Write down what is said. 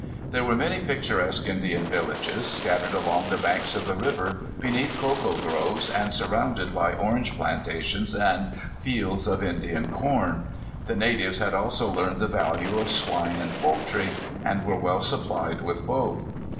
There were many picturesque Indian villages, scattered along the banks of the river, beneath cocoa groves, and surrounded by orange plantations and fields of Indian corn. The natives had also learned the value of swine and poultry, and were well supplied with both.